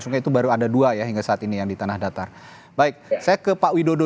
sungai itu baru ada dua ya hingga saat ini yang di tanah datar baik saya ke pak widodo